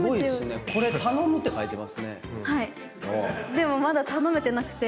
でもまだ頼めてなくて。